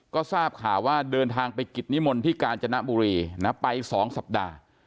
ก็ทราบข่าวว่าเดินทางไปกิจนิมนต์ที่กาญจนบุรีไป๒สัปดาห์